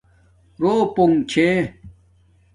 روپنݣ چھے